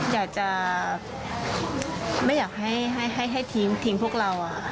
อยากจะไม่อยากให้ทิ้งพวกเรา